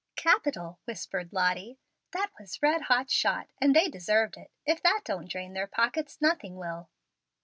"Capital!" whispered Lottie. "That was red hot shot, and they deserved it. If that don't drain their pockets, nothing will."